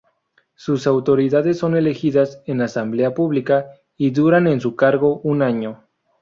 Sus autoridades son elegidas en asamblea pública y duran en su encargo un año.